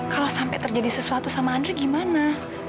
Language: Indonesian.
kalau sampai terjadi sesuatu sama andre gimana